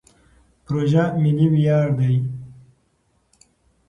پروژه ملي ویاړ دی.